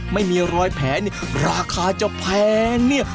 ไม่มีรอยแผลเนี่ยราคาจะแพงเนี่ย